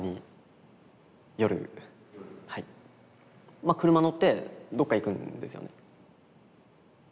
まあ車乗ってどっか行くんですよね。